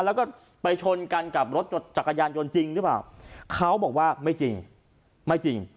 แล้วก็ไปชนกันกับรถจักรยานยนต์จริงหรือเปล่าเขาบอกว่าไม่จริงไม่จริง